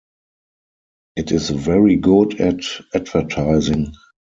It is very good at advertising.